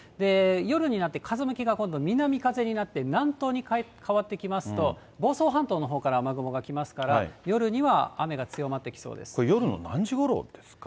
夜になって風向きが今度南風になって、南東に変わってきますと、房総半島のほうから雨雲が来ますから、夜には雨が強まってきそう夜の何時ごろですか？